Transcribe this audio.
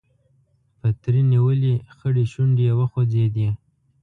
پتري نيولې خړې شونډې يې وخوځېدې.